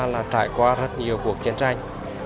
là trải qua rất nhiều cuộc chiến tranh